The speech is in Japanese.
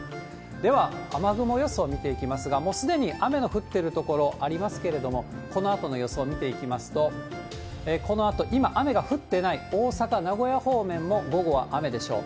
では、雨雲予想見ていきますが、もうすでに雨の降ってる所ありますけれども、このあとの予想見ていきますと、このあと、今、雨が降っていない大阪、名古屋方面も午後は雨でしょう。